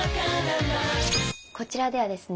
こちらではですね